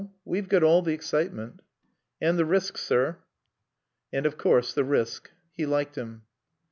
We've got all the excitement." "And the risk, sir." "And, of course, the risk." He liked him.